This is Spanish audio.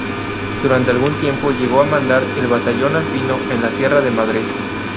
Durante algún tiempo llegó a mandar el Batallón alpino en la Sierra de Madrid.